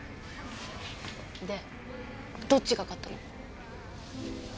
でどっちが勝ったの？